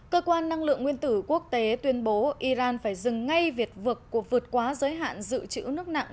cơ quan năng lượng nguyên tử quốc tế tuyên bố iran phải dừng ngay vượt quá giới hạn dự trữ nước nặng